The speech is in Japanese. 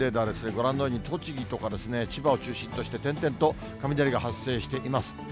ご覧のように、栃木とか千葉を中心として、点々と雷が発生しています。